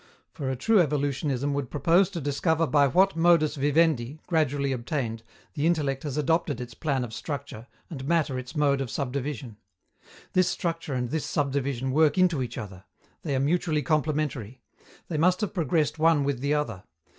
For a true evolutionism would propose to discover by what modus vivendi, gradually obtained, the intellect has adopted its plan of structure, and matter its mode of subdivision. This structure and this subdivision work into each other; they are mutually complementary; they must have progressed one with the other.